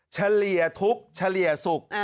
เฉลี่ยทุกข์เฉลี่ยสุข